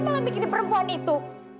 malah mikirin perempuan itu